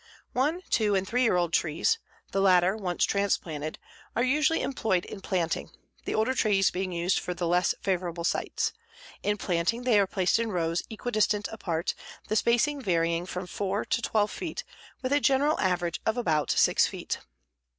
One, two and three year old trees, the latter once transplanted, are usually employed in planting, the older trees being used for the less favorable sites. In planting they are placed in rows equidistant apart, the spacing varying from 4 to 12 feet, with a general average of about 6 feet.